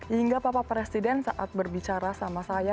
hingga bapak presiden saat berbicara sama saya